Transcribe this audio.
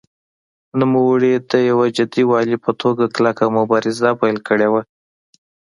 نوموړي د یو جدي والي په توګه کلکه مبارزه پیل کړې وه.